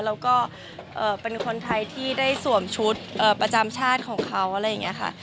แล้วก็เป็นคนไทยที่ได้สวมชุดประจำชาติของเขาอะไรอย่างนี้ค่ะ